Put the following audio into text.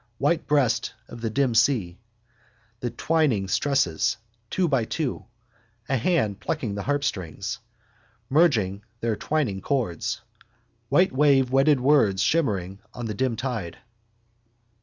White breast of the dim sea. The twining stresses, two by two. A hand plucking the harpstrings, merging their twining chords. Wavewhite wedded words shimmering on the dim tide.